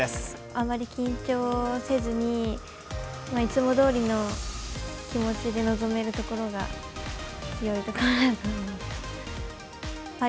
あまり緊張せずに、いつもどおりの気持ちで臨めるところが強いところだと思います。